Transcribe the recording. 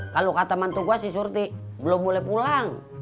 kalau kata mantu gua sih surti belum boleh pulang